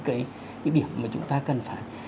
cái điểm mà chúng ta cần phải